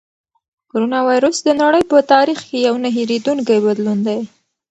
کرونا وېروس د نړۍ په تاریخ کې یو نه هېرېدونکی بدلون دی.